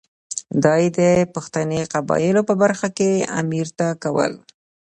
دا یې د پښتني قبایلو په برخه کې امیر ته کول.